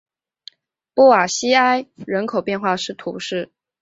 布瓦西埃人口变化图示